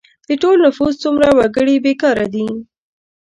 د ټول نفوس څومره وګړي بې کاره دي؟